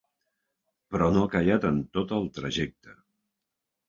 Però no ha callat en tot el trajecte.